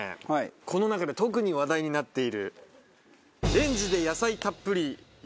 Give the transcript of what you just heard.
この中で特に話題になっているレンジで野菜たっぷり焼そばです。